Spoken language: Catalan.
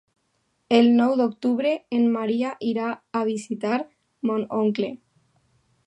El nou d'octubre en Maria irà a visitar mon oncle.